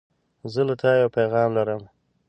زه له تا یو پیغام لرم.